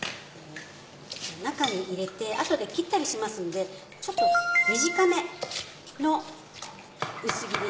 中に入れて後で切ったりしますのでちょっと短めの薄切り。